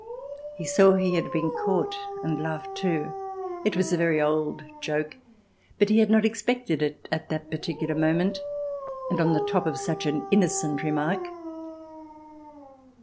He saw he had been caught and laughed too. It was a very old joke, but he had not expected it at that particular moment, and on the top of such an innocent remark.